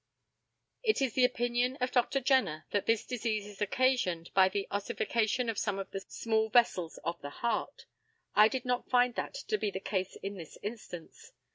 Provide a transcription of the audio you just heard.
It is the opinion of Dr. Jenner that this disease is occasioned by the ossification of some of the small vessels of the heart. I did not find that to be the case in this instance.